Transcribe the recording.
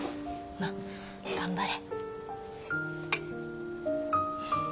まあ頑張れ。